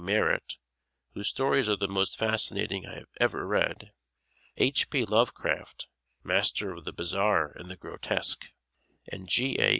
Merritt (whose stories are the most fascinating I have ever read). H. P. Lovecraft (master of the bizarre and the grotesque) and G. A.